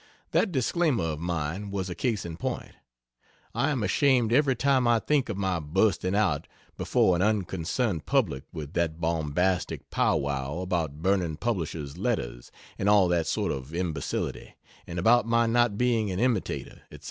That disclaimer of mine was a case in point. I am ashamed every time I think of my bursting out before an unconcerned public with that bombastic pow wow about burning publishers' letters, and all that sort of imbecility, and about my not being an imitator, etc.